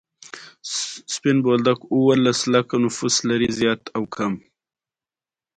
آزاد تجارت مهم دی ځکه چې خواړه تنوع ورکوي.